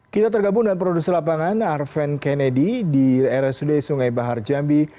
kita tergabung dengan produser lapangan arven kennedy di rsud sungai bahar jambi